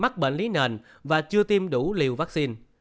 mắc bệnh lý nền và chưa tiêm đủ liều vaccine